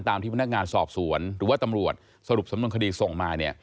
ที่พนักงานสอบสวนหรือว่าตำรวจสรุปสำนวนคดีส่งมาเนี่ย